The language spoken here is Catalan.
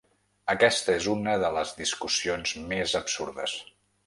Aquesta és una de les discussions més absurdes.